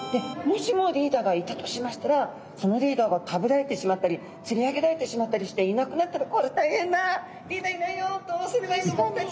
もしもリーダーがいたとしましたらそのリーダーが食べられてしまったりつり上げられてしまったりしていなくなったら「これは大変だ！リーダーいないよどうすればいいの？